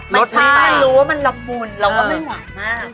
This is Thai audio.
มันรู้ว่ามันมละบุนและว่าก็ไม่หวานมาก